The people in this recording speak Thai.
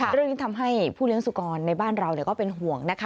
เรื่องนี้ทำให้ผู้เลี้ยงสุกรในบ้านเราก็เป็นห่วงนะคะ